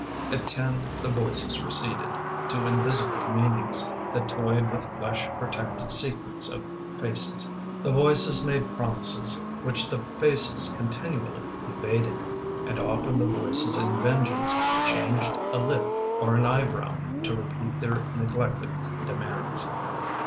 At ten the voices receded To invisible meanings That toyed with flesh protected secrets of faces. The voices made promises Which the faces continually evaded, And often the voices in vengeance Changed a lip or an eye brow To repeat their neglected demands.